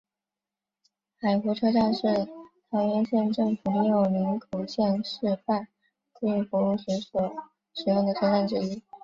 海湖车站是桃园县政府利用林口线试办客运服务时所使用的车站之一。